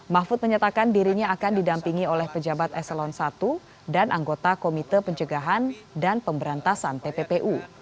mahfud menyatakan dirinya akan didampingi oleh pejabat eselon i dan anggota komite pencegahan dan pemberantasan tppu